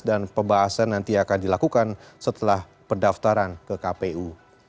dan pembahasan nanti akan dilakukan setelah pendaftaran ke kpu